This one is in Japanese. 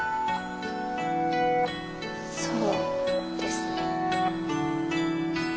そうですね。